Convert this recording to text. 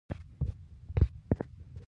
منډه کول سږو ته ګټه لري